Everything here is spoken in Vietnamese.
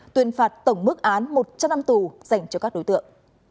tuyên phạt tổng mức án một trăm linh năm tù dành cho các đối tượng